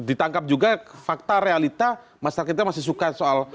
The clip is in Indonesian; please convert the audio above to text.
ditangkap juga fakta realita masyarakat kita masih suka soal